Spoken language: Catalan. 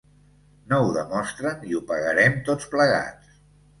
No ho demostren i ho pagarem tots plegats.